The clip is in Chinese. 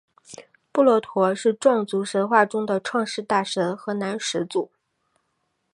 布洛陀是壮族神话中的创世大神和男始祖。